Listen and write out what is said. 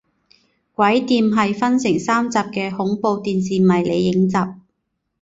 鬼店是分成三集的恐怖电视迷你影集。